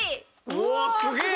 うわあすげえ！